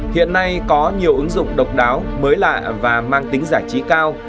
hiện nay có nhiều ứng dụng độc đáo mới lạ và mang tính giải trí cao